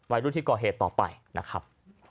รุ่นที่ก่อเหตุต่อไปนะครับ